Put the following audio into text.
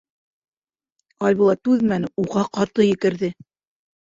Айбулат түҙмәне, уға ҡаты екерҙе: